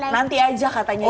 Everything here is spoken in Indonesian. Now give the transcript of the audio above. nanti aja katanya gitu